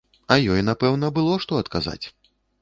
А ёй напэўна было што адказаць.